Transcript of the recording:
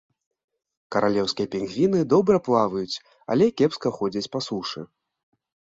Каралеўскія пінгвіны добра плаваюць, але кепска ходзяць па сушы.